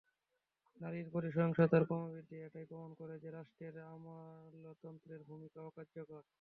নারীর প্রতি সহিংসতার ক্রমবৃদ্ধি এটাই প্রমাণ করে যে, রাষ্ট্রের আমলাতন্ত্রের ভূমিকা অকার্যকর।